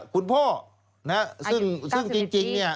คุณพ่อซึ่งจริง